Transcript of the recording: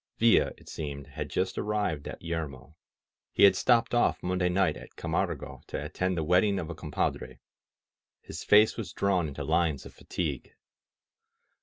Villa, it seemed, had just arrived at Yermo. He had stopped off Monday night at Camargo to attend the wedding of a compadre. His face was drawn into lines of fatigue.